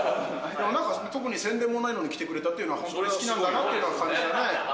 なんか特に宣伝もないのに来てくれたっていうのは、本当に好きなんだなっていうのは感じたね。